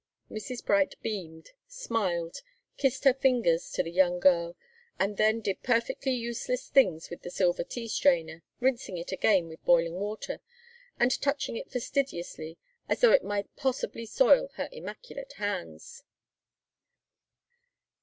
Mrs. Bright beamed, smiled, kissed her fingers to the young girl, and then did perfectly useless things with the silver tea strainer, rinsing it again with boiling water, and touching it fastidiously, as though it might possibly soil her immaculate hands.